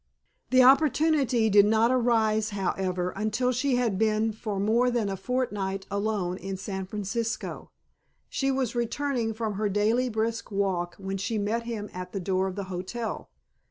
The opportunity did not arise however until she had been for more than a fortnight "alone" in San Francisco. She was returning from her daily brisk walk when she met him at the door of the hotel.